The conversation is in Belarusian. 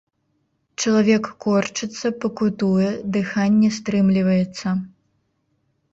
Чалавек корчыцца, пакутуе, дыханне стрымліваецца.